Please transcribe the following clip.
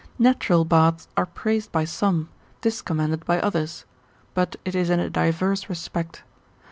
Natural baths are praised by some, discommended by others; but it is in a divers respect.